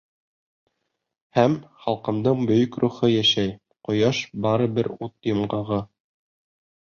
...Һәм халҡымдың бөйөк рухы йәшәй, Ҡояш — бары бер ут йомғағы.